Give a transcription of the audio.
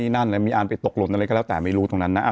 นั่นมีอันไปตกหล่นอะไรก็แล้วแต่ไม่รู้ตรงนั้นนะ